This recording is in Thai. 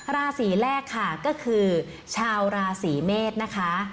ราศีแรกค่ะก็คือชาวราศีเมษนะคะ